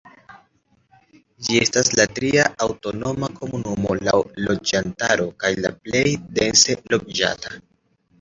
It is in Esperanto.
Ĝi estas la tria aŭtonoma komunumo laŭ loĝantaro kaj la plej dense loĝata.